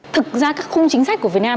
thực ra các khung chính sách của việt nam